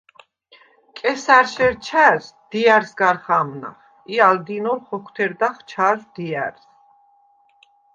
კესა̈რშერ ჩა̈ჟს დია̈რს გარ ხამნახ ი ალ დინოლ ხოქვთერდახ ჩაჟვ დია̈რს.